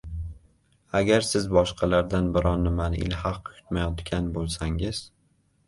Agar siz boshqalardan biron nimani ilhaq kutmayotgan bo‘lsangiz.